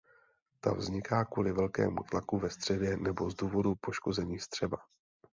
Ta vzniká kvůli velkému tlaku ve střevě nebo z důvodů poškození střeva.